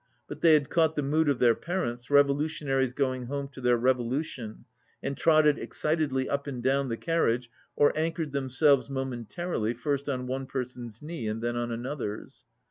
But they had caught the mood of their parents, revolutionaries going home to their revo lution, and trotted excitedly up and down the carriage or anchored themselves momentarily, first on one person's knee and then on another's.